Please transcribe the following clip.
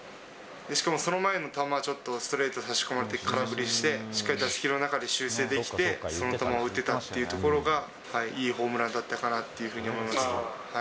しかもその前の球はちょっとストレート差し込まれて、空振りして、しっかり打席の中で修正できて、その球を打てたっていうところが、やっぱりいいホームランだったかなと思います。